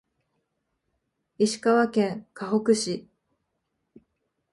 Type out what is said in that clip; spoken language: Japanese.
石川県かほく市